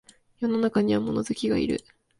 世の中には物好きがいる